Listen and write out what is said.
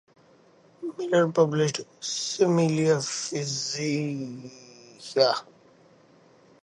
Miller published Cimelia Physica.